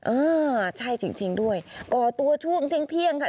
อ่าใช่จริงจริงด้วยก่อตัวช่วงเท่งเที่ยงค่ะ